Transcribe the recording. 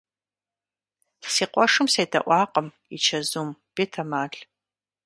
Си къуэшым седэӀуакъым и чэзум, бетэмал.